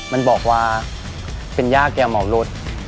มันบอกว่าเป็นย่าแก่เหมารถ